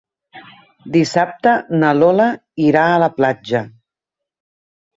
Dissabte na Lola irà a la platja.